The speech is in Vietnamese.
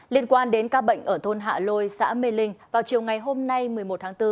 liên quan đến ca bệnh ở thôn hạ lôi xã mê linh vào chiều ngày hôm nay một mươi một tháng bốn